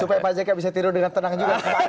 supaya pak jk bisa tidur dengan tenang juga